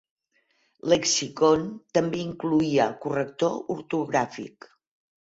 Lexicon també incloïa corrector ortogràfic.